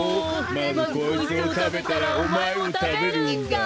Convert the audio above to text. まずこいつをたべたらおまえをたべるんだ！